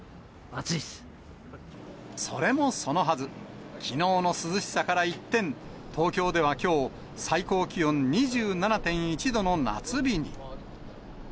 それもそのはず、きのうの涼しさから一転、東京ではきょう、最高気温２７．１度の夏日に。